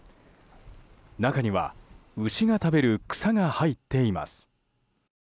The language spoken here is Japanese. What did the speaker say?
中には牛が食べる草が入っています。